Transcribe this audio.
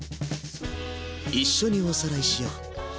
一緒におさらいしよう。